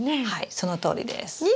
はいそのとおりです。